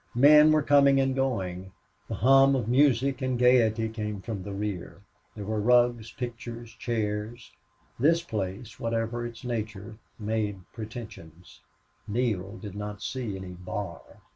Men were coming and going; the hum of music and gaiety came from the rear; there were rugs, pictures, chairs; this place, whatever its nature, made pretensions. Neale did not see any bar.